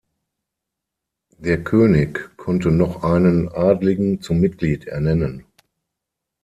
Der König konnte noch einen Adligen zum Mitglied ernennen.